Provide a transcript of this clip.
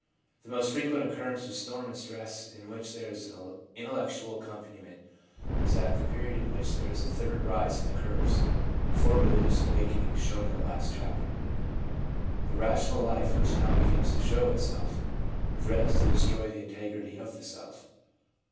The most frequent occurrence of storm and stress in which there is an intellectual accompaniment is at the period in which there is a third rise in the curves for religious awakening shown in the last chapter. The rational life which now begins to show itself threatens to destroy the integrity of the self.